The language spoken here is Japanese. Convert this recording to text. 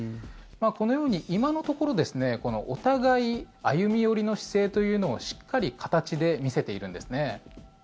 このように今のところですねお互い歩み寄りの姿勢というのをしっかり形で見せているんですね。